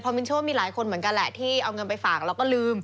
มินเชื่อว่ามีหลายคนเหมือนกันแหละที่เอาเงินไปฝากแล้วก็ลืม